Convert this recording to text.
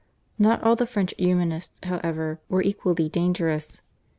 Not all the French Humanists, however, were equally dangerous.